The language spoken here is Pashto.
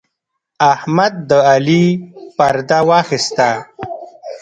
احمد د علي پرده واخيسته.